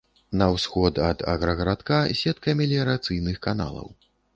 На ўсход ад аграгарадка сетка меліярацыйных каналаў.